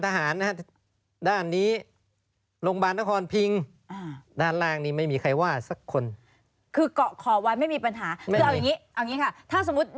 ก็ว่ามีสัญญาระหว่างคนเชียงใหม่กับสู่ราชการ